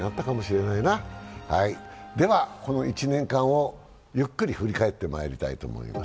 では、この１年間をゆっくり振り返ってまいりたいと思います。